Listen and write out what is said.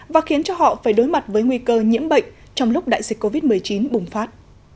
và khiến cho họ phải đối mặt với nguy cơ nhiễm bệnh trong lúc đại dịch covid một mươi chín bùng phát